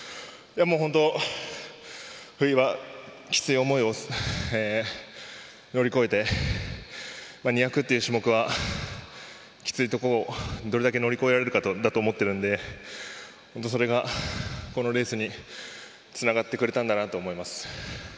本当、冬場きつい思いを乗り越えて２００っていう種目はきついところをどれだけ乗り越えられるかと思っているのでそれがこのレースにつながってくれたんだなと思います。